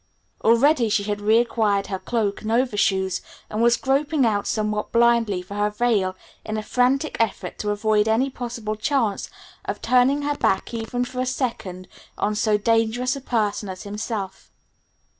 Already she had re acquired her cloak and overshoes and was groping out somewhat blindly for her veil in a frantic effort to avoid any possible chance of turning her back even for a second on so dangerous a person as himself.